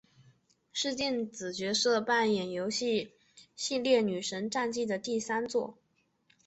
是电子角色扮演游戏系列女神战记的第三作。